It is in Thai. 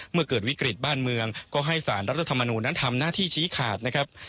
เมื่อเกิดวิกฤตบ้านเมืองก็ให้สารรัฐธรรมนูญนั้นทำหน้าที่ชี้ขาดนะครับ